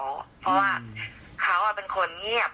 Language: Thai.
เพราะว่าเขาเป็นคนเงียบ